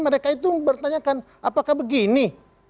mereka itu bertanyakan apakah begini